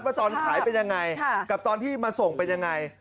ว่าตอนขายเป็นยังไงกับตอนที่มาส่งเป็นยังไง